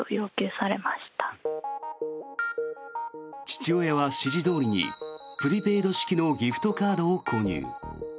父親は指示どおりにプリペイド式のギフトカードを購入。